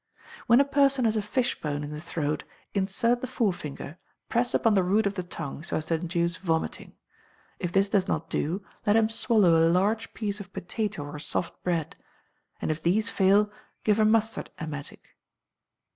When a person has a fish bone in the throat, insert the forefinger, press upon the root of the tongue, so as to induce vomiting; if this does not do, let him swallow a large piece of potato or soft bread; and if these fail, give a mustard emetic.